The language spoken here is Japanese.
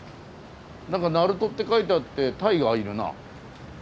「鳴門」って書いてあってタイがいるな。